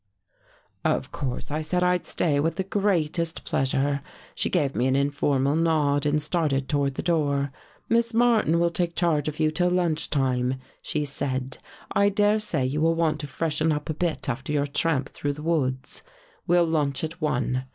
" Of course I said I'd stay with the greatest pleasure. She gave me an informal nod and started toward the door. ' Miss Martin will take charge of you till lunch time,' she said. ' I daresay you will want to freshen up a bit after your tramp through the woods. We'll lunch at one.